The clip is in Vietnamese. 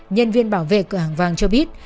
nhân viên bảo vệ cửa hàng vàng cho biết